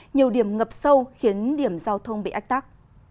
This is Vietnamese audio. nhiều điểm ngập sâu khiến điểm giao thông bị ách tắc